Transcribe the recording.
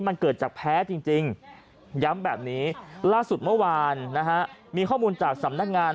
มันเกิดจากแพ้จริงย้ำแบบนี้ล่าสุดเมื่อวานนะฮะมีข้อมูลจากสำนักงาน